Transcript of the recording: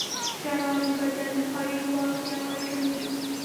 • ژړا د بدن دفاعي ځواک پیاوړی کوي.